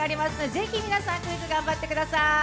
ぜひ皆さん、クイズ頑張ってください。